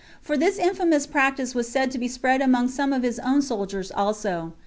for this infamous practice was said to be spread among some of his own soldiers also.